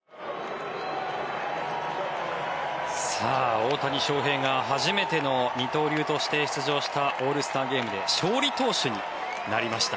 大谷翔平が初めての二刀流として出場したオールスターゲームで勝利投手になりました。